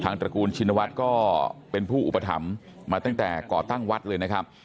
ตระกูลชินวัฒน์ก็เป็นผู้อุปถัมภ์มาตั้งแต่ก่อตั้งวัดเลยนะครับ